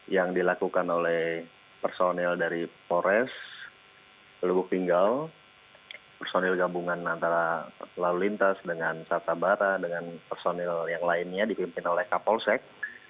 yang dilakukan oleh personil dari polres lubuk linggal personil gabungan antara lalu lintas dengan satabara dengan personil yang lainnya dipimpin oleh kapolsek